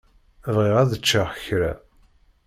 Bɣiɣ ad ččeɣ kra.